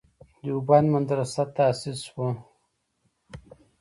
دیوبند مدرسه تاسیس شوه.